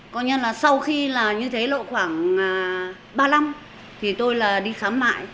coi như là sau khi là như thế lộ khoảng ba năm thì tôi là đi khám mại